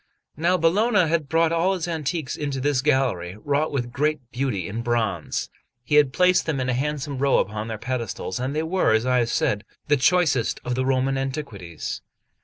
Now Bologna had brought all his antiques into this gallery, wrought with great beauty in bronze, and had placed them in a handsome row upon their pedestals; and they were, as I have said, the choicest of the Roman antiquities.